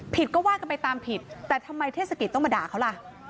ก็ว่ากันไปตามผิดแต่ทำไมเทศกิจต้องมาด่าเขาล่ะ